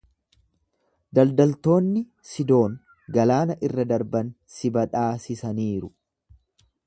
Daldaltoonni Sidoon galaana irra darban si badhaasisaniiru.